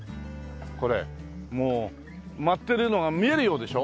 もう舞ってるのが見えるようでしょ？